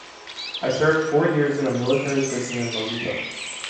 I served four years in a military prison in Melilla.